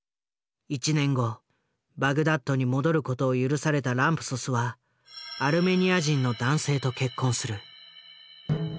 １年後バグダッドに戻る事を許されたランプソスはアルメニア人の男性と結婚する。